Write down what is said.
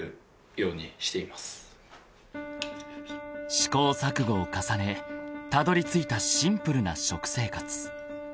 ［試行錯誤を重ねたどりついたシンプルな食生活］